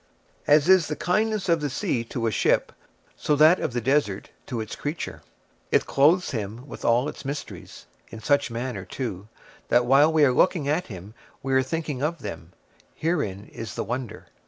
As is the kindness of the sea to a ship, so that of the desert to its creature. It clothes him with all its mysteries; in such manner, too, that while we are looking at him we are thinking of them: therein is the wonder.